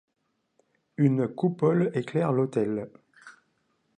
Un coupole éclaire l’autel.